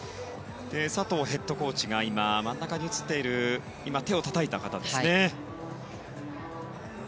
佐藤ヘッドコーチが真ん中に映っている手をたたいた方ですね。